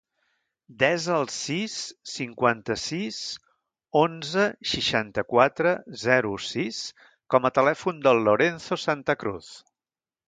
Desa el sis, cinquanta-sis, onze, seixanta-quatre, zero, sis com a telèfon del Lorenzo Santacruz.